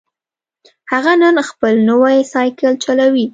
هغه نن خپل نوی سایکل چلوي